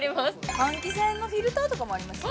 換気扇のフィルターとかもありますよ